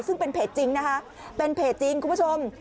ซึ่งเป็นเพจจริงนะคะเป็นเพจจริงคุณผู้ชม